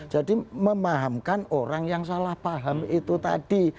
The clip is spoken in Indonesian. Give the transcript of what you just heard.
jadi memahamkan orang yang salah paham itu tadi